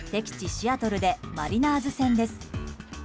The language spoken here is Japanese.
シアトルでマリナーズ戦です。